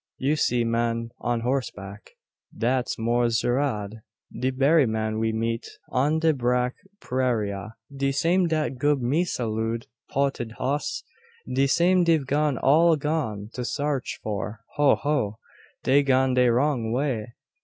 You see man on horseback. Dat's Mors Jerrad, de berry man we meet on de brack praira. De same dat gub Missa Loode 'potted hoss; de same dey've all gone to sarch for. Ho, ho! Dey gone dey wrong way.